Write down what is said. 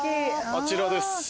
あちらです。